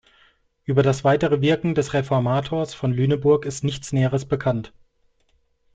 Über das weitere Wirken des Reformators von Lüneburg ist nichts Näheres bekannt.